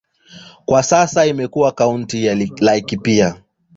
Kwa sasa imekuwa kaunti ya Laikipia.